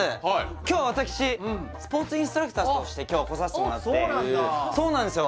今日は私スポーツインストラクターとして今日は来させてもらってそうなんだそうなんですよ